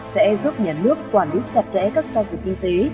sẽ giúp nhà nước quản lý chặt chẽ các giao dịch kinh tế